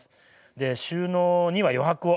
で収納には余白を。